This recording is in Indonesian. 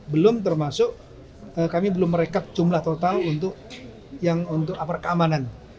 belum termasuk kami belum merekap jumlah total untuk aparat keamanan